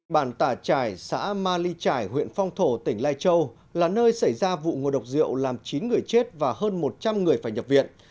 bản tả trải xã ma ly trải huyện phong thổ tỉnh lai châu là nơi xảy ra vụ ngộ độc rượu làm chín người chết và hơn một trăm linh người phải nhập viện